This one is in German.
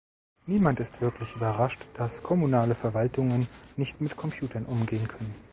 Niemand ist wirklich überrascht, dass kommunale Verwaltungen nicht mit Computern umgehen können.